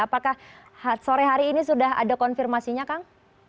apakah sore hari ini sudah ada konfirmasinya kang